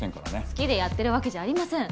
好きでやってるわけじゃありません。